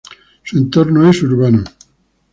Su entorno es urbano.